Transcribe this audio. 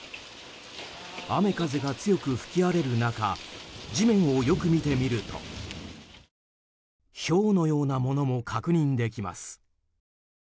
雨風が強く吹き荒れる中地面をよく見てみるとひょうのようなものも確認できます。